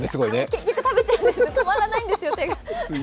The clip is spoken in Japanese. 結局食べちゃうんです止まらないんです、手が。